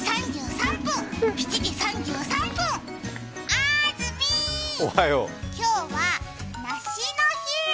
あーずみー、今日は梨の日。